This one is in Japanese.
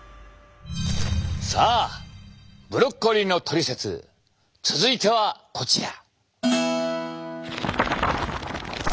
さあブロッコリーのトリセツ続いてはこちら。